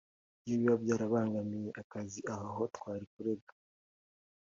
Iyo biba byarabangamiye akazi aho ho twari kurega